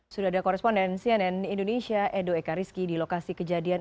sudah ada koresponden cnn indonesia edo ekariski di lokasi kejadian